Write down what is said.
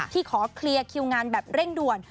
ขอเคลียร์คิวงานแบบเร่งด่วน